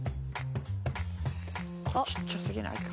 これちっちゃすぎないか？